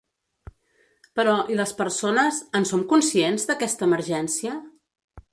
Però, i les persones, en som conscients, d’aquesta emergència?